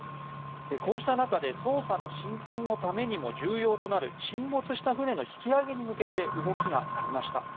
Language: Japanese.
こうした中で捜査の進展のためにも重要となる沈没した船の引き揚げに向けて動きがありました。